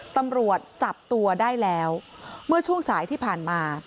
ตำรวจจับตัวได้แล้วเมื่อช่วงสายที่ผ่านมา